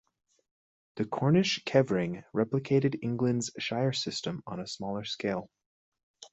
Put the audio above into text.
The Cornish kevrang replicated England's shire system on a smaller scale.